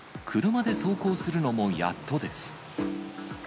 車で走行するのもやっとです。